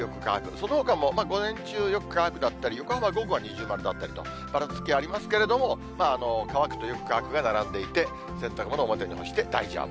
そのほかも午前中、よく乾くだったり、横浜は午後は二重丸だったりと、ばらつきありますけども、乾くとよく乾くが並んでいて、洗濯物、表に干して大丈夫。